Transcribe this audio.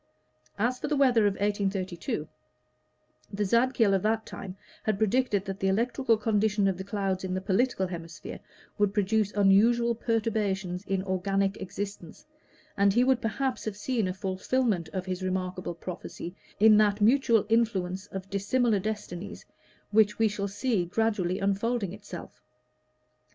As to the weather of 1832, the Zadkiel of that time had predicted that the electrical condition of the clouds in the political hemisphere would produce unusual perturbations in organic existence, and he would perhaps have seen a fulfillment of his remarkable prophecy in that mutual influence of dissimilar destinies which we shall see gradually unfolding itself.